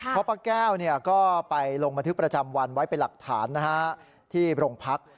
เพราะป้าแก้วก็ไปลงบันทึกประจำวันไว้เป็นหลักฐานที่โรงพัก